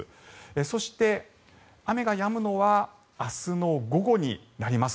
そして雨がやむのは明日の午後になります。